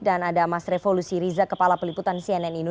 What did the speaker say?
dan ada mas revolusi riza kepala peliputan cnn indonesia prime news